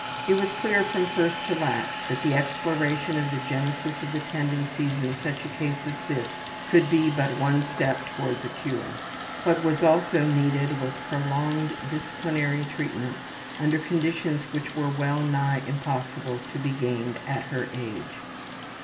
It was clear from first to last that the exploration of the genesis of the tendencies in such a case as this could be but one step towards a cure. What was also needed was prolonged disciplinary treatment under conditions which were well nigh impossible to be gained at her age.